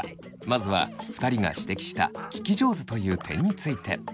まずは２人が指摘した聞き上手という点について。